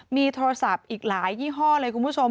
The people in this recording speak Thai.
มีโทรศัพท์อีกหลายยี่ห้อเลยคุณผู้ชม